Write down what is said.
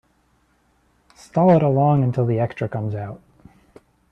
Stall it along until the extra comes out.